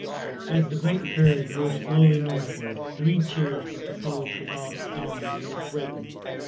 As the great herd moved slowly northward, three cheers were proposed for Bob Stallings and Miss Brayton.